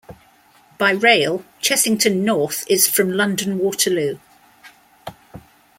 By rail, Chessington North is from London Waterloo.